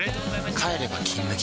帰れば「金麦」